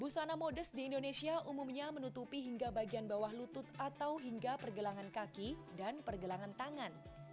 busana modest di indonesia umumnya menutupi hingga bagian bawah lutut atau hingga pergelangan kaki dan pergelangan tangan